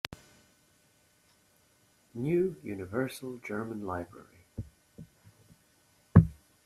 New Universal German Library